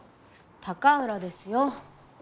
高浦ですよ。